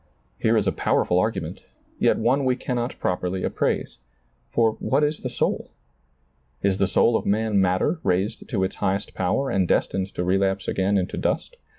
Here is a powerful argument, yet one we cannot properly appraise. For what is the soul ? Is the soul of man matter raised to its highest power and destined to relapse again into dust